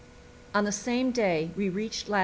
On the same day we reached lat.